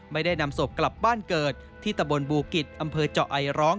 ไม่ได้นำศพกลับบ้านเกิดที่ตะบนบูกิจอำเภอเจาะไอร้อง